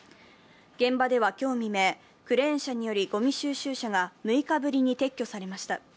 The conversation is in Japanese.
現場では今日未明、クレーン車によるごみ収集車が６日ぶりに撤去されました。